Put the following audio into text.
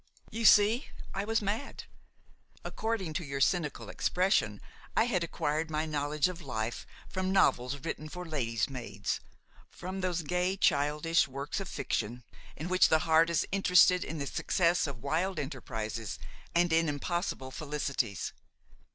You see I was mad; according to your cynical expression I had acquired my knowledge of life from novels written for lady's maids, from those gay, childish works of fiction in which the heart is interested in the success of wild enterprises and in impossible felicities.